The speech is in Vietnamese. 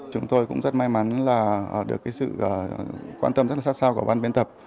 chúng tôi cũng rất may mắn được sự quan tâm rất sát sao của ban biên tập